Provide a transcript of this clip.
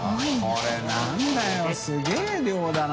これ何だよすげぇ量だな。